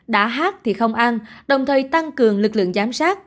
đã hát thì không ăn đồng thời tăng cường lực lượng giám sát